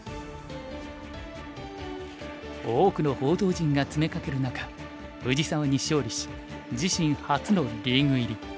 多くの報道陣が詰めかける中藤沢に勝利し自身初のリーグ入り。